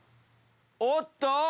おっと！